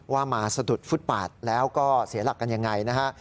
ว่ามาสะดุดฟุตปาดแล้วก็เสียหลักกันยังไงนะฮะ